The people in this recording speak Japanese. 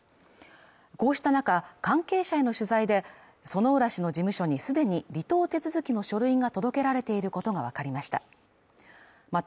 こうした中関係者への取材で薗浦氏の事務所に既に離党手続きの書類が届けられていることが分かりました